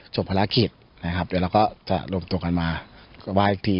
จบภารกิจนะครับเดี๋ยวเราก็จะลบกันมากลับมาอีกที